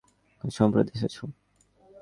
এখানে সম্প্রতি এসেছ?